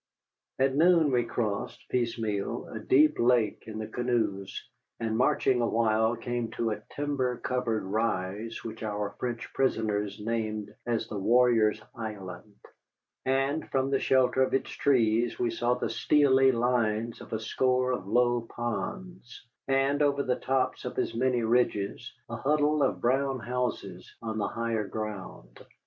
At noon we crossed, piecemeal, a deep lake in the canoes, and marching awhile came to a timber covered rise which our French prisoners named as the Warriors' Island. And from the shelter of its trees we saw the steely lines of a score of low ponds, and over the tops of as many ridges a huddle of brown houses on the higher ground.